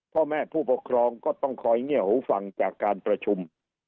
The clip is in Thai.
พ่อแม่ผู้ปกครองก็ต้องคอยเงียบหูฟังจากการประชุม